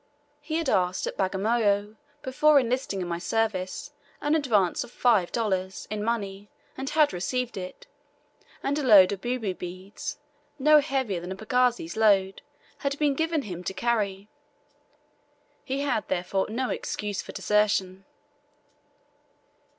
He had asked at Bagamoyo, before enlisting in my service, an advance of $5 in money, and had received it, and a load of Bubu beads, no heavier than a pagazis load, had been given him to carry; he had, therefore, no excuse for desertion.